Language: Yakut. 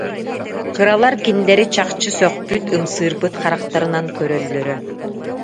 Кыралар кинилэри чахчы сөхпүт, ымсыырбыт харахтарынан кө- рөллөрө